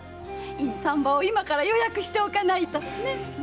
いい産婆を今から予約しておかないと。ね？